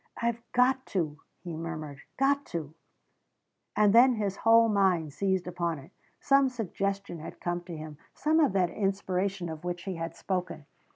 "I've got to," he murmured "got to." And then his whole mind seized upon it; some suggestion had come to him, some of that inspiration of which he had spoken.